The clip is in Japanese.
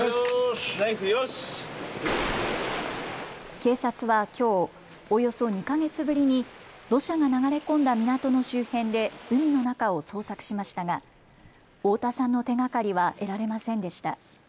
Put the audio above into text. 警察はきょうおよそ２か月ぶりに土砂が流れ込んだ港の周辺で海の中を捜索しましたが太田さんの手がかりは得られませんでした。